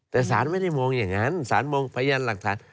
แต่สารไม่ได้มองอย่างนั้นสารมองพยานหลักฐาน